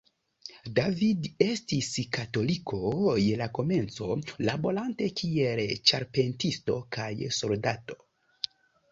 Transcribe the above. David estis katoliko je la komenco, laborante kiel ĉarpentisto kaj soldato.